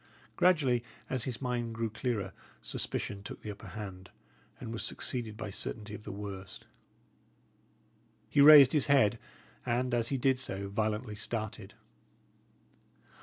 Gradually, as his mind grew clearer, suspicion took the upper hand, and was succeeded by certainty of the worst. He raised his head, and, as he did so, violently started.